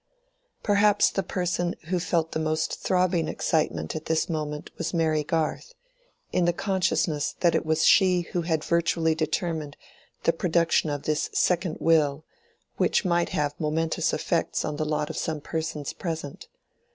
Perhaps the person who felt the most throbbing excitement at this moment was Mary Garth, in the consciousness that it was she who had virtually determined the production of this second will, which might have momentous effects on the lot of some persons present.